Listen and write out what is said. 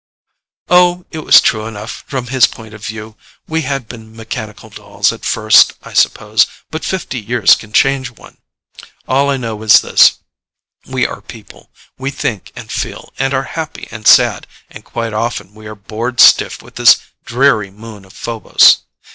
Oh, it was true enough, from his point of view. We had been mechanical dolls at first, I suppose, but fifty years can change one. All I know is this: we are people; we think and feel, and are happy and sad, and quite often we are bored stiff with this dreary moon of Phobos.